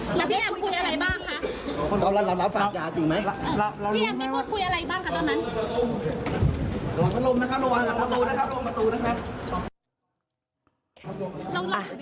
พี่ยังไม่พูดคุยอะไรบ้างคะตอนนั้น